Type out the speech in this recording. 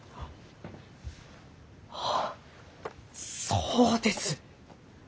そうです！